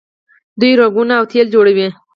دوی رنګونه او تیل جوړوي.